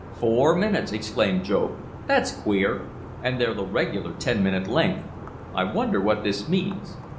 "Four minutes!" exclaimed Job. "That's queer, and they're the regular ten minute length. I wonder what this means.